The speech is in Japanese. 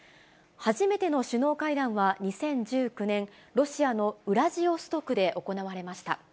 初めての首脳会談は２０１９年、ロシアのウラジオストクで行われました。